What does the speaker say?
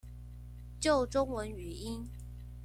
救中文語音